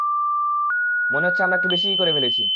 মনে হচ্ছে আমরা একটু বেশি বেশিই করে ফেলছি।